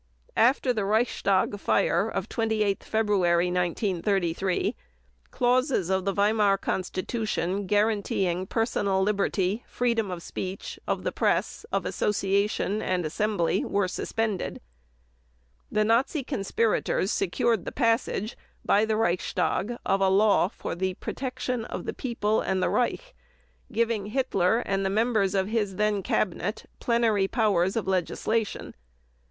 After the Reichstag fire of 28 February 1933, clauses of the Weimar constitution guaranteeing personal liberty, freedom of speech, of the press, of association and assembly were suspended. The Nazi conspirators secured the passage by the Reichstag of a "Law for the Protection of the People and the Reich" giving Hitler and the members of his then cabinet plenary powers of legislation.